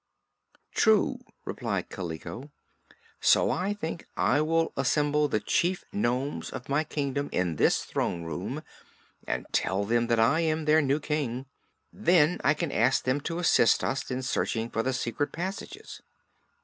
"True," agreed Kaliko. "So I think I will assemble the chief nomes of my kingdom in this throne room and tell them that I am their new King. Then I can ask them to assist us in searching for the secret passages.